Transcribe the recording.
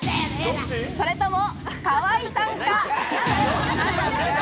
それとも河井さんか？